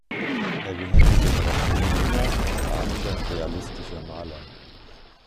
Er gehört zur Generation junger spanischer realistischer Maler.